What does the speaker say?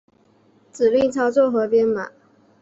指令操作和编码